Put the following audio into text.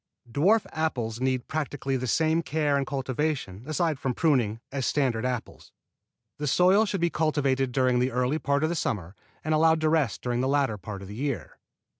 Dwarf apples need practically the same care and cultivation, aside from pruning, as standard apples. The soil should be cultivated during the early part of the summer and allowed to rest during the latter part of the year.